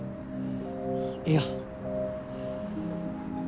いや。